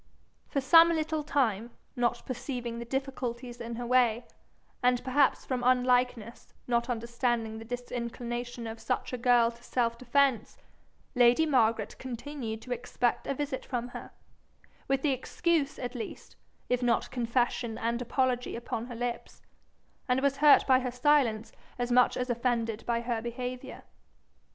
For some little time, not perceiving the difficulties in her way, and perhaps from unlikeness not understanding the disinclination of such a girl to self defence, lady Margaret continued to expect a visit from her, with excuse at least, if not confession and apology upon her lips, and was hurt by her silence as much as offended by her behaviour.